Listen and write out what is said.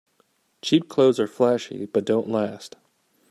Cheap clothes are flashy but don't last.